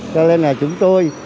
cho nên là chúng tôi